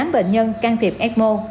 một mươi tám bệnh nhân can thiệp ecmo